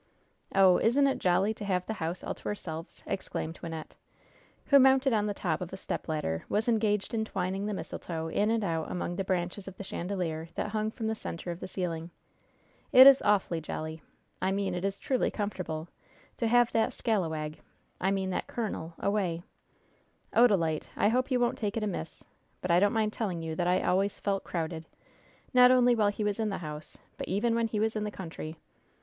"Oh, isn't it jolly to have the house all to ourselves!" exclaimed Wynnette, who, mounted on the top of a step ladder, was engaged in twining the mistletoe in and out among the branches of the chandelier that hung from the center of the ceiling. "It is awfully jolly I mean it is truly comfortable to have that scalawag I mean that colonel away. Odalite, I hope you won't take it amiss, but I don't mind telling you that I always felt crowded, not only while he was in the house, but even when he was in the country.